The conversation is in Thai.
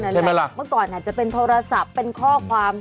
เมื่อก่อนอาจจะเป็นโทรศัพท์เป็นข้อความ